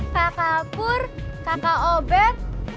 kakak pur kakak obek